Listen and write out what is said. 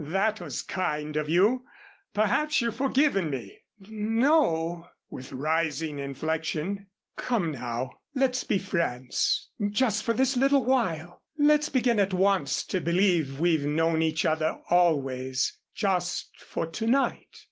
"That was kind of you. Perhaps you've forgiven me." "N no," with rising inflection. "Come now! Let's be friends, just for this little while. Let's begin at once to believe we've known each other always just for to night.